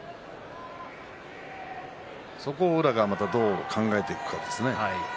そこを宇良がまたどう考えていくかですね。